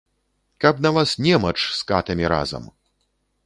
Каб на вас немач з катамі разам!